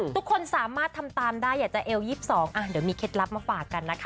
ทุกคนสามารถทำตามได้อยากจะเอว๒๒เดี๋ยวมีเคล็ดลับมาฝากกันนะคะ